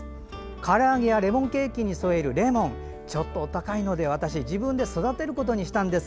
から揚げやレモンケーキに添えるレモンちょっとお高いので私自分で育てることにしたんです。